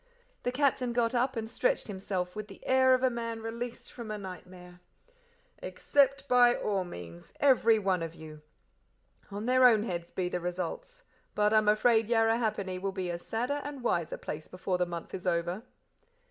The Captain got up and stretched himself with the air of a man released from a nightmare. "Accept by all means every one of you. On their own heads be the results; but I'm afraid Yarrahappini will be a sadder and wiser place before the month is over."